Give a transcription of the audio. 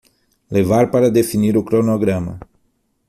Levar para definir o cronograma